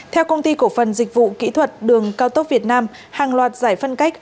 theo công ty cổ phần dịch vụ kỹ thuật đường cao tốc việt nam hàng loạt giải phân cách